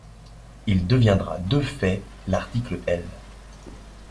Il deviendra de fait l’article L.